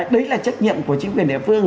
đấy là trách nhiệm của chính quyền địa phương